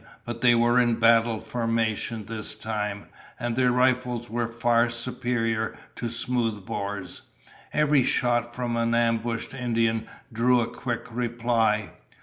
But they were in battle formation this time, and their rifles were far superior to smoothbores. Every shot from an ambushed Indian drew a quick reply.